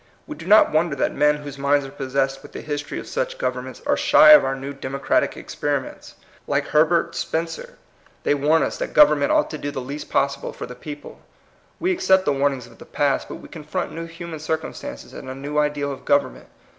We do not wonder that men whose minds are possessed with the history of such governments are shy of our new demo cratic experiments. Like Herbert Spencer, 138 THE COMING PEOPLE. they warn us that government ought to do the least possible for the people. We accept the warnings of the past, but we confront new human circumstances and a new ideal of government.